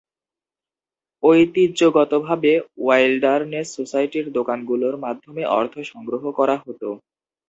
ঐতিহ্যগতভাবে ওয়াইল্ডারনেস সোসাইটির দোকানগুলোর মাধ্যমে অর্থ সংগ্রহ করা হতো।